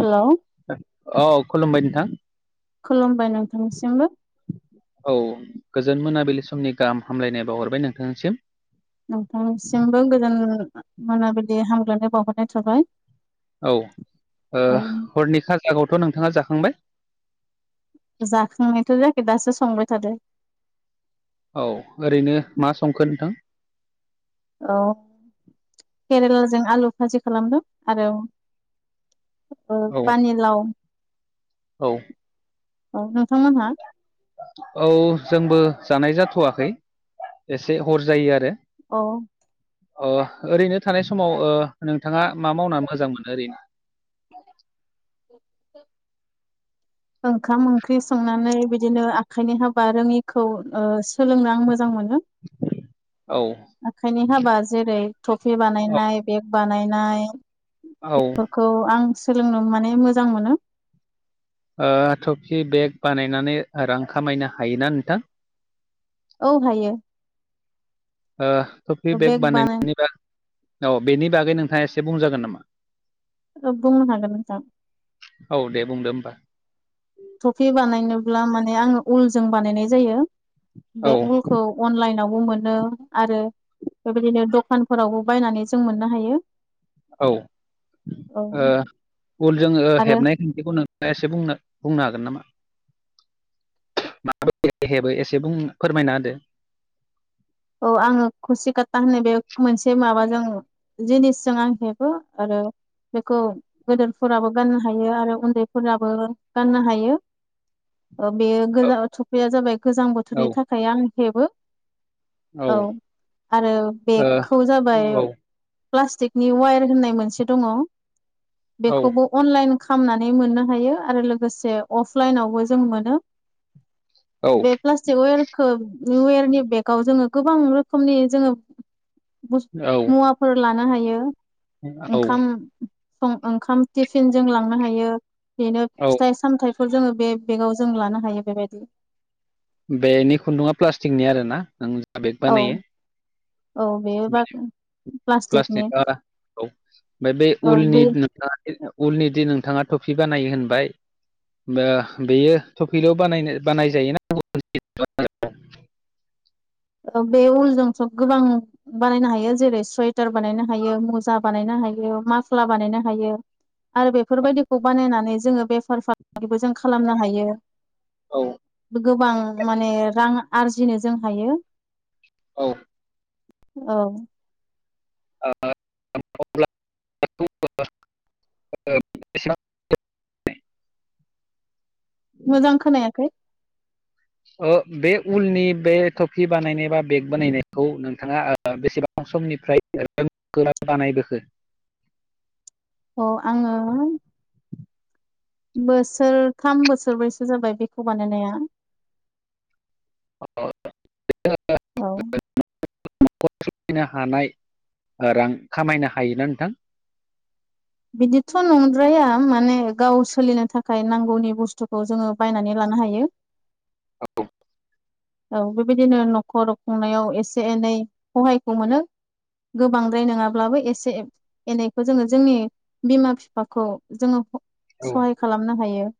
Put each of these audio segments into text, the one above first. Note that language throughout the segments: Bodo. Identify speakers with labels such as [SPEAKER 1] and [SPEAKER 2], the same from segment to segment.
[SPEAKER 1] हेलौ
[SPEAKER 2] औ खुलुमबाय नोंथां
[SPEAKER 1] खुलुमबाय नोंथांनिसिमबो
[SPEAKER 2] औ गोजोन मोनाबिलि समनि गाहाम हामलायनाय बावाहरबाय नोंथांनिसिम
[SPEAKER 1] नोंथांनिसिमबो गोजोन मोनाबिलि हामग्लायनाय बावहरनाय थाबाय
[SPEAKER 2] औ ओ-
[SPEAKER 1] औ
[SPEAKER 2] हरनिखा जागावथ' नोंथाङा जाखांबाय
[SPEAKER 1] जाखांनायथ' जायाखै दासो संबाय थादो
[SPEAKER 2] औ ओरैनो मा संखो नोंथां
[SPEAKER 1] औ केरेलाजों आलु भाजि खालामदों आरो ओ-
[SPEAKER 2] औ
[SPEAKER 1] पानि लाव
[SPEAKER 2] औ
[SPEAKER 1] औ नोंथांमोनहा
[SPEAKER 2] औ जोंबो जानाय जाथ'वाखै एसे हर जायो आरो
[SPEAKER 1] औ
[SPEAKER 2] ओरैनो थानाय समाव नोंथाङा मा मावना मोजां मोनो ह
[SPEAKER 1] ओंखाम ओंख्रि संनानै बिदिनो आखाइनि हाबा रोङिखौ सोलोंनो आं मोजां मोनो
[SPEAKER 2] औ
[SPEAKER 1] आखाइनि हाबा जेरै टफि
[SPEAKER 2] औ
[SPEAKER 1] बानायनाय बेग बानायनाय
[SPEAKER 2] औ ओ
[SPEAKER 1] बेफोरखौ आं सोलोंनो माने मोजां मोनो
[SPEAKER 2] टकि बेग बानायनानै रां खामायनो हायोना नोंथां
[SPEAKER 1] औ हायो
[SPEAKER 2] टफि बेग बानायनायनि बाग औ बेनि बागै नोंथाङा एसे बुंजागोन नामा
[SPEAKER 1] बुंनो हागोनोनजां
[SPEAKER 2] औ दे बुंदो होमबा
[SPEAKER 1] टफि बानायनोब्ला माने आङो उलजों बानायनाय जायो
[SPEAKER 2] औ
[SPEAKER 1] बे उलखौ अनलाइनाव मोनो आरो बेबायदिनो दखानफोरावबो बायनानै जों मोननो हायो
[SPEAKER 2] औ
[SPEAKER 1] औ
[SPEAKER 2] उल जो
[SPEAKER 1] आरो
[SPEAKER 2] हेबनाय खान्खखौ नों एसेनो बुंनो हागोन नामा माबायदि हेबो एसे बुं फोरमायना होदो
[SPEAKER 1] औ आङो खसिकाता होननाय बे मोनसे माबाजों जिनिसजों आं हेबो आरो बेखौ गदोरफोराबो गाननो हायो आरो उन्दैफोराबो गाननो हायो
[SPEAKER 2] [inaudible]
[SPEAKER 1] बे गोज थफ्रिया जाबाय गोजां
[SPEAKER 2] औ
[SPEAKER 1] बोथोरनि थाखाय आं हेबो औ आरो बेगखौ जाबाय
[SPEAKER 2] औ ओ
[SPEAKER 1] प्लास्टिकनि वायार होननाय मोनसे दङ
[SPEAKER 2] औ
[SPEAKER 1] बेखौबो अनलाइन खामनानै मोननो हायो आरो लोगोसे अफलाइनावबो जों मोनो बे प्लास्टिक वेरखौ वेरनि बेगाव जोङो गोबां रोखोमनि जोङो
[SPEAKER 2] औ
[SPEAKER 1] मुवाफोर लानो हायो
[SPEAKER 2] औ
[SPEAKER 1] ओंखाम सं ओंखाम टिफिनजों लांनो हायो बेनो
[SPEAKER 2] औ
[SPEAKER 1] फिथाइ सामथाइफोर जोङो बे बेगाव जों लानो हायो बेबायदि
[SPEAKER 2] बेनि खुन्दुा प्लास्टिकनि आरो ना नों आ बेग बा
[SPEAKER 1] औ
[SPEAKER 2] नयो
[SPEAKER 1] औ बे बा प्लास्टिकनि
[SPEAKER 2] प्लास्टिकआ औ ओमफ्राय बे
[SPEAKER 1] औ
[SPEAKER 2] उलनि
[SPEAKER 1] बे
[SPEAKER 2] नोंथा उलनि दि नोंथाङा टफि बानायो होनबाय बेयो थफिल' बानाय बानाय जायोना [inaudible]
[SPEAKER 1] बे उलजोंथ' गोबां बानायनो हायो जेरै सुवेटार बानायनो हायो मुजा बानायनो हायो हायो माफ्ला बानायनो हायो आरो बेफोरबायदिखौ बानायनानै जोङो बेफार फालांगिबो जों खालामनो हायो
[SPEAKER 2] औ
[SPEAKER 1] गोबां माने रां आरजिनो जों हायो
[SPEAKER 2] औ
[SPEAKER 1] औ
[SPEAKER 2] [unintelligible]
[SPEAKER 1] मोजां खोनायाखै
[SPEAKER 2] बे उलनि बे टफि बानायनाय बा बेग बानायनायखौ नोंथाङा बेसेबां समनिफ्राय [unintelligible] बानायबोखो
[SPEAKER 1] अ आङो बोसोरथाम बोसोरब्रैसो जाबाय बेखौ बानायनाया
[SPEAKER 2] अ
[SPEAKER 1] औ
[SPEAKER 2] [inaudible] सोलिनो हानाय रां ओ खामायनो हायोना नोंथां
[SPEAKER 1] बिदिथ' नंद्राया माने गाव सोलिनो थाखाय नांगौनि बुस्थुखौ जोङो बायनानै ला नो हायो
[SPEAKER 2] औ
[SPEAKER 1] औ बेबायदिनो न'खर खुंनायाव एसे एनै सहायखौ मोनो गोबांद्राय नङाब्लाबो एसे एनैखौ जोङो जोंनि बिमा बिफाखौ जोङो
[SPEAKER 2] औ
[SPEAKER 1] सहाय खालामनो हायो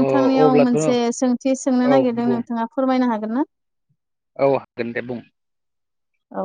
[SPEAKER 2] अ अब्लाथ'
[SPEAKER 1] मोनसे सोंथि सोंनो
[SPEAKER 2] औ
[SPEAKER 1] नागिरदों
[SPEAKER 2] बुं
[SPEAKER 1] नोंथाङा फोरमायनो हागोन ना
[SPEAKER 2] औ हागोन दे बुं
[SPEAKER 1] औ